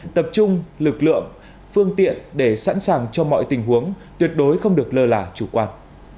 tập trung lực lượng phương tiện để sẵn sàng cho mọi tình huống tuyệt đối không được lơ là chủ quan